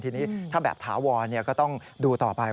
ทีนี้ถ้าแบบถาวรก็ต้องดูต่อไป